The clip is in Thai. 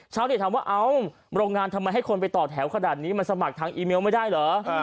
ถามว่าเอ้าโรงงานทำไมให้คนไปต่อแถวขนาดนี้มาสมัครทางอีเมลไม่ได้เหรอ